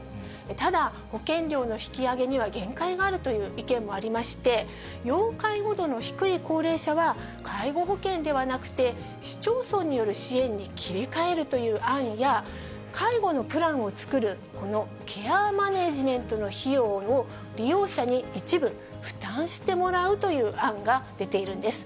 ただ、保険料の引き上げには限界があるという意見もありまして、要介護度の低い高齢者は、介護保険ではなくて、市町村による支援に切り替えるという案や、介護のプランを作るこのケアマネジメントの費用を利用者に一部負担してもらうという案が出ているんです。